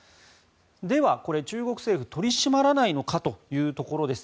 では、中国政府取り締まらないのかというところです。